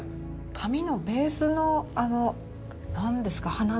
紙のベースのあの何ですか花の模様？